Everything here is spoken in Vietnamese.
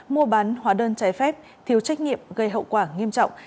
mua bán hóa đơn trái phép thiếu trách nhiệm gây hậu quả nghiêm trọng